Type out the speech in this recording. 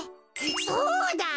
そうだ！